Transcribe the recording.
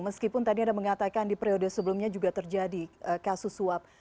meskipun tadi anda mengatakan di periode sebelumnya juga terjadi kasus suap